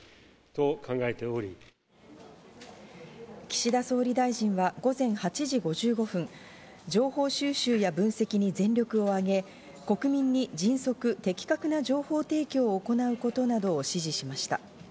岸田総理大臣は午前８時５５分、情報収集や分析に全力を挙げ、国民に迅速・的確な情報提供を行うことなどを指示しました。